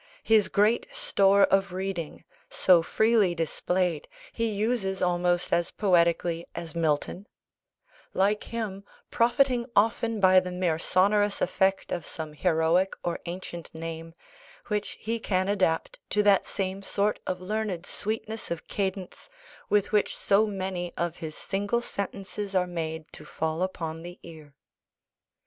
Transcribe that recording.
His great store of reading, so freely displayed, he uses almost as poetically as Milton; like him, profiting often by the mere sonorous effect of some heroic or ancient name, which he can adapt to that same sort of learned sweetness of cadence with which so many of his single sentences are made to fall upon the ear.